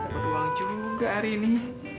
tak berduang juga hari ini